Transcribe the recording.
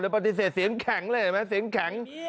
ปฏิเสธเสียงแข็งเลยเห็นไหมเสียงแข็ง